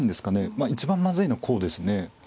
まあ一番まずいのはこうですね。